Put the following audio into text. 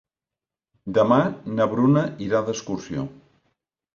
Demà na Bruna irà d'excursió.